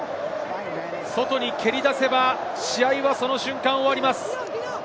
外に蹴り出せば、試合はその瞬間終わります。